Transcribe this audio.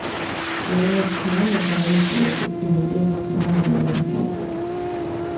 During its time at Valley Forge its commander was Colonel William Heth.